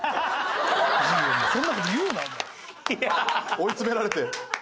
追い詰められて。